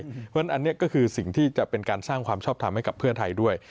เพราะฉะนั้นอันนี้ก็คือสิ่งที่จะเป็นการสร้างความชอบทำให้กับเพื่อไทยด้วย